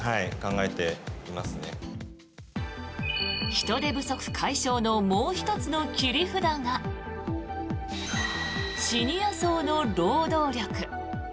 人手不足解消のもう１つの切り札がシニア層の労働力。